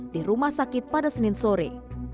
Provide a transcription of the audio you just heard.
di rumah sakit pada senin sore